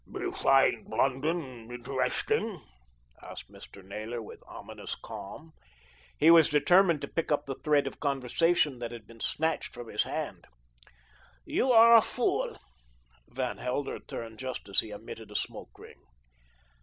"You find London interesting?" asked Mr. Naylor, with ominous calm. He was determined to pick up the thread of conversation that had been snatched from his hand. "You are a fool." Van Helder turned just as he emitted a smoke ring.